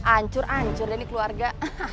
ancur ancur ini keluarga